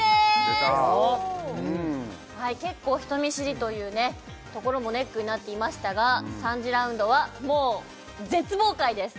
出た結構人見知りというねところもネックになっていましたが３次ラウンドはもう絶望回です！